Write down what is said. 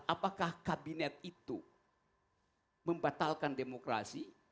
apakah kabinet itu membatalkan demokrasi